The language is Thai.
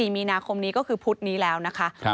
มีนาคมนี้ก็คือพุธนี้แล้วนะคะ